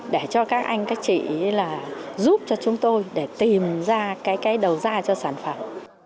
để cho các anh các chị là giúp cho chúng tôi để tìm ra cái đầu ra cho sản phẩm